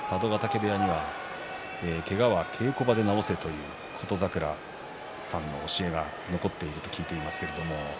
佐渡ヶ嶽部屋にはけがは稽古場で治せと琴櫻さんの教えが残っていると聞いています。